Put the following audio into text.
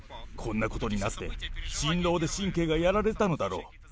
こんなことになって、心労で神経がやられたのだろう。